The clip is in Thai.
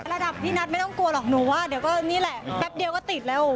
ระดับพี่นัทไม่ต้องกลัวหรอกหนูว่าเดี๋ยวก็นี่แหละแป๊บเดียวก็ติดแล้ว